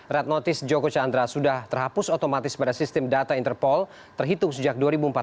red notice joko chandra sudah terhapus otomatis pada sistem data interpol terhitung sejak dua ribu empat belas